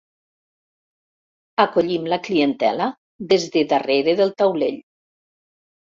Acollim la clientela des de darrere del taulell.